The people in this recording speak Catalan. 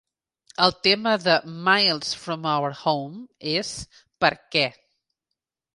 El tema de "Miles from Our Home" és "per què"?